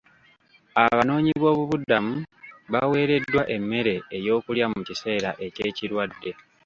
Abanoonyi b'obubudamu baweereddwa emmere ey'okulya mu kiseera eky'ekirwadde.